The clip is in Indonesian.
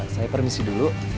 saya permisi dulu